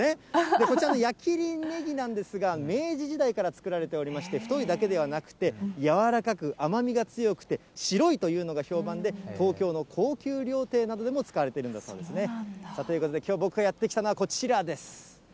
こちらの矢切ねぎなんですが、明治時代から作られておりまして、太いだけではなくて、柔らかく、甘みが強くて、白いというのが評判で、東京の高級料亭などでも使われているんだそうですね。ということで、きょう僕がやって来たのはこちらです。